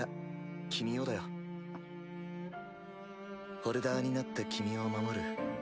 ホルダーになって君を守る。